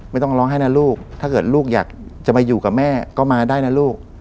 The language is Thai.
ไม่ต้องร้องให้นะลูกถ้าเกิดลูกอยากจะไปอยู่กับแม่ก็มาได้นะลูก